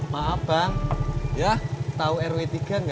maaf bang ya tau rw tiga gak